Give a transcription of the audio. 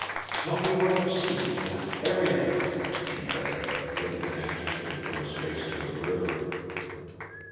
"Tell me what you see, Kent everything," she begged, looking anxiously from his face to the river.